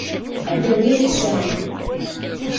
Ad d-awiɣ iseɣ.